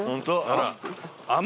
あら。